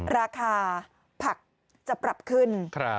ราคาผักจะปรับขึ้น